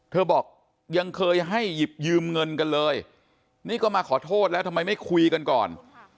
บอกยังเคยให้หยิบยืมเงินกันเลยนี่ก็มาขอโทษแล้วทำไมไม่คุยกันก่อน